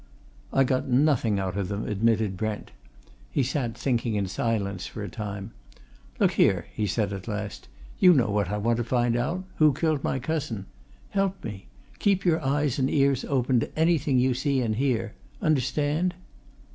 "I got nothing out of them," admitted Brent. He sat thinking in silence for a time. "Look here," he said at last, "you know what I want to find out who killed my cousin. Help me! Keep your eyes and ears open to anything you see and hear understand?"